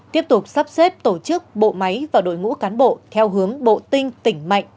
tiếp tục sắp xếp tổ chức bộ máy và đội ngũ cán bộ theo hướng bộ tinh tỉnh mạnh